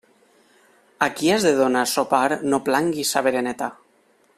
A qui has de donar sopar no planguis sa bereneta.